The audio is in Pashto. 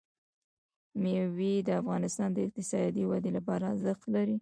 مېوې د افغانستان د اقتصادي ودې لپاره ارزښت لري.